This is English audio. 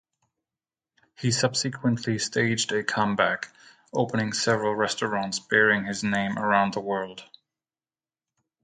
He subsequently staged a comeback, opening several restaurants bearing his name around the world.